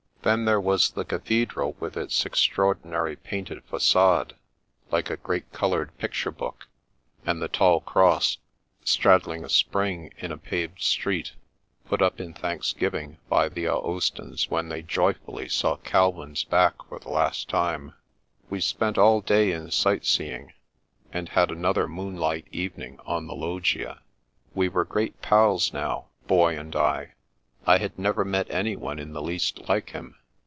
Then, there was the cathedral with its extraordinary painted facade, like a great coloured picture book; 148 The Princess Passes and the tall cross, straddling a spring in a paved street, put up in thanksgiving by the Aostans when they joyfully saw Calvin's back for the last time. We spent all day in sightseeing, and had another moonlight evening on the loggia. We were great pals now. Boy and I. I had never met anyone in the least like him.